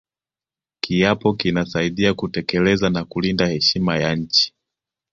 kiapo kinasaidia kutekeleza na kulinda heshima ya nchi